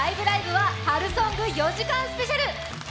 ライブ！」は春ソング４時間スペシャル。